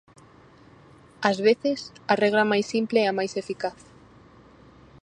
Ás veces, a regra máis simple é a máis eficaz.